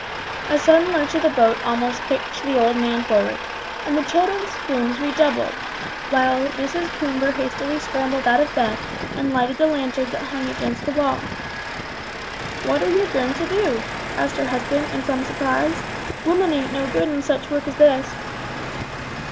A sudden lurch of the boat almost pitched the old man forward, and the children's screams redoubled, while Mrs. Coomber hastily scrambled out of bed and lighted the lantern that hung against the wall. "What are yer going to do?" asked her husband, in some surprise; "women ain't no good in such work as this."